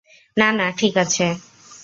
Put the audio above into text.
না না, ঠিক আছে।